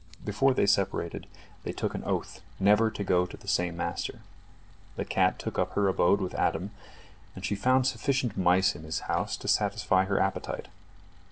Before they separated, they took an oath never to go to the same master. The cat took up her abode with Adam, and she found sufficient mice in his house to satisfy her appetite.